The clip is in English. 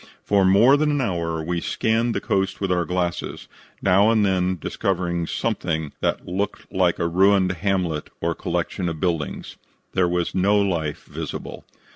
For more than an hour we scanned the coast with our glasses, now and then discovering something that looked like a ruined hamlet or collection of buildings. There was no life visible.